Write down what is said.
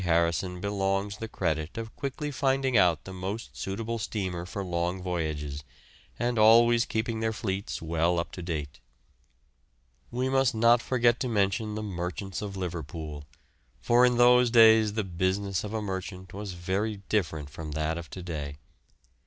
Harrison belongs the credit of quickly finding out the most suitable steamer for long voyages, and always keeping their fleets well up to date. We must not forget to mention the merchants of Liverpool, for in those days the business of a merchant was very different from that of to day.